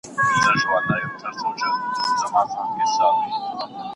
مکناټن ته نوې دنده ورکړل شوه.